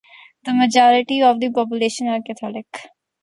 The majority of the population are Catholic.